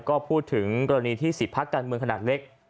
ก็พูดถึงกรณีที่๑๐พักการเมืองขนาดเล็ก